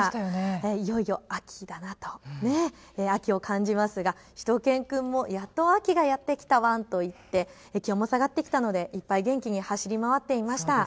いよいよ秋だなと秋を感じますがしゅと犬くんもやっと秋がやって来たワンと言って気温も下がってきたのでいっぱい元気に走り回っていました。